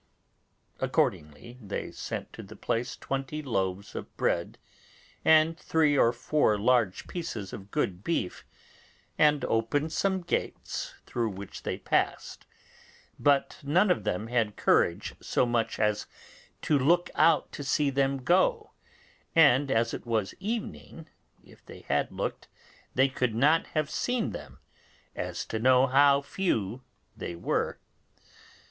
Accordingly they sent to the place twenty loaves of bread and three or four large pieces of good beef, and opened some gates, through which they passed; but none of them had courage so much as to look out to see them go, and, as it was evening, if they had looked they could not have seen them as to know how few they were.